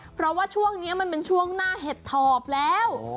เพราะว่าช่วงนี้มันเป็นช่วงหน้าเห็ดถอบแล้ว